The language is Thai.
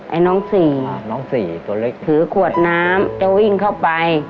ไอ้น้องสี่น้องสี่ตัวเล็กถือขวดน้ำจะวิ่งเข้าไป